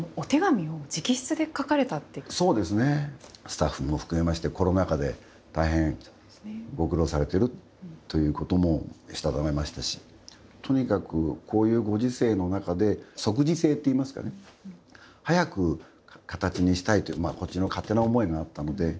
スタッフも含めましてコロナ禍で大変ご苦労されてるということもしたためましたしとにかくこういうご時世の中で即時性っていいますかね早く形にしたいってまあこっちの勝手な思いがあったので。